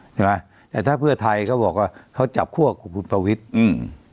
ใช่ไหมแต่ถ้าเพื่อไทยเขาบอกว่าเขาจับคั่วกับคุณประวิทย์อืม